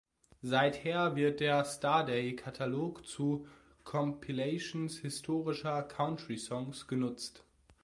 Seither wird der Starday-Katalog zu Compilations historischer Country-Songs genutzt.